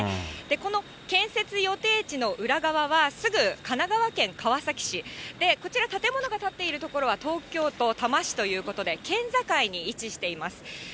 この建設予定地の裏側は、すぐ神奈川県川崎市、こちら建物が建っている所は東京都多摩市ということで、県境に位置しています。